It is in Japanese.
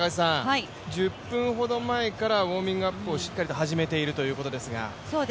１０分ほど前からウォーミングアップをしっかりと始めているということですが。